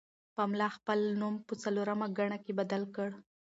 پملا خپل نوم په څلورمه ګڼه کې بدل کړ.